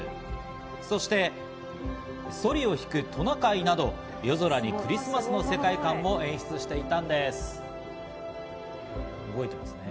そして、そりを引くトナカイなど、夜空にクリスマスの世界観を演出していたんです。